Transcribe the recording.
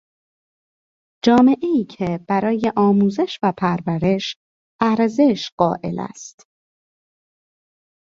جامعهای که برای آموزش و پرورش ارزش قایل است